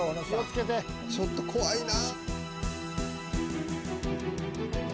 ちょっと怖いな。